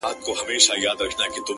ما په اول ځل هم چنداني گټه ونه کړه-